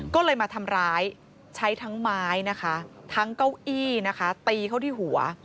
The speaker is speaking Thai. ก็เลยมาทำร้ายใช้ทั้งไม้นะคะทั้งเก้าอี้นะคะตีเข้าที่หัว